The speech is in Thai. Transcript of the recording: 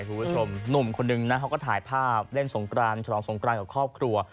คุณผู้ชมหนุ่มคนนึงนะเขาก็ถ่ายภาพเล่นสงกรานฉลองสงกรานกับครอบครัว